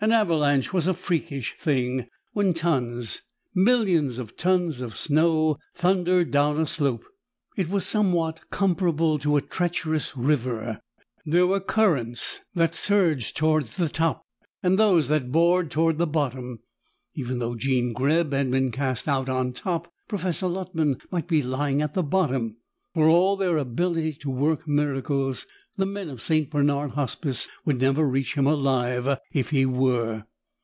An avalanche was a freakish thing. When tons, and millions of tons, of snow thundered down a slope, it was somewhat comparable to a treacherous river. There were currents that surged toward the top and those that bored toward the bottom. Even though Jean Greb had been cast out on top, Professor Luttman might be lying at the bottom. For all their ability to work miracles, the men of St. Bernard Hospice would never reach him alive if he were.